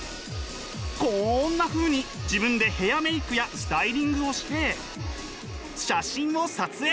こんなふうに自分でヘアメイクやスタイリングをして写真を撮影。